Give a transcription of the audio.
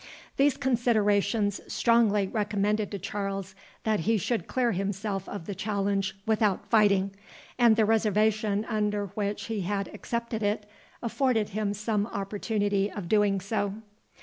These considerations strongly recommended to Charles that he should clear himself of the challenge without fighting; and the reservation under which he had accepted it, afforded him some opportunity of doing so.